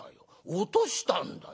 落としたんだよ。